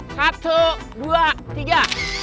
satu dua tiga